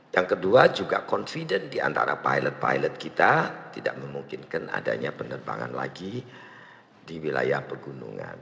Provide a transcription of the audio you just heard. yang kedua juga confident diantara pilot pilot kita tidak memungkinkan adanya penerbangan lagi di wilayah pegunungan